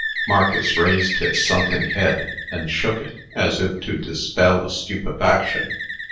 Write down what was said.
Marcus raised his sunken head, and shook it, as if to dispel a stupefaction.